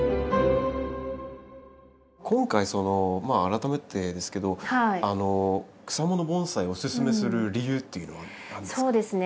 今回改めてですけど草もの盆栽をおすすめする理由っていうのは何ですか？